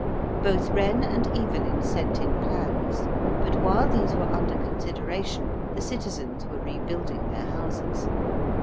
Both Wren and Evelyn sent in plans. But while these were under consideration the citizens were rebuilding their houses.